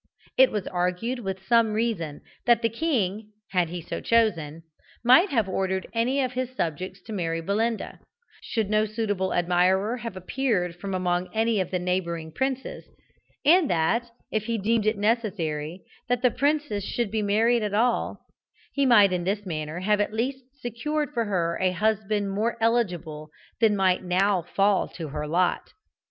It was argued with some reason that the king, had he so chosen, might have ordered any of his subjects to marry Belinda, should no suitable admirer have appeared from among any of the neighbouring princes, and that, if he deemed it necessary that the princess should be married at all, he might in this manner have at least secured for her a husband more eligible than might now fall to her lot.